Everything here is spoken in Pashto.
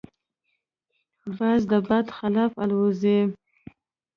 باز د باد خلاف الوزي